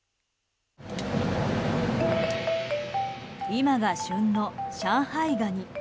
今が旬の上海ガニ。